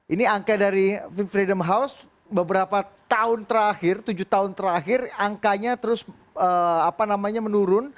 ini angka dari freedom house beberapa tahun terakhir tujuh tahun terakhir angkanya terus menurun